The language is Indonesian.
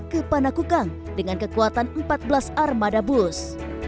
ke panakukang dengan kekuatan empat belas armada bus